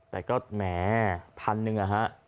แต่ก็แหมพันหนึ่ง